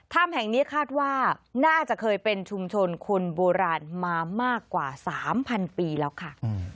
ถ้ำแห่งนี้คาดว่าน่าจะเคยเป็นชุมชนคนโบราณมามากกว่า๓๐๐ปีแล้วค่ะ